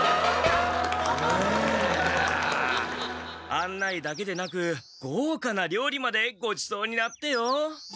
案内だけでなくごうかなりょうりまでごちそうになってよ。